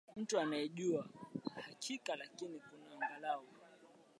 mtu anayejua kwa hakika lakini kuna angalau